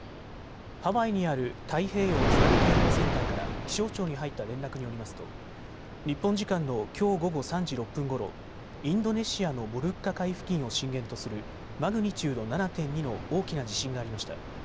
ハワイにある太平洋津波警報センターから気象庁に入った連絡によりますと日本時間のきょう午後３時６分ごろ、インドネシアのモルッカ海付近を震源とするマグニチュード７．２の大きな地震がありました。